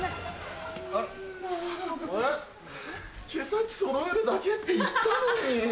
・そんな・毛先そろえるだけって言ったのに！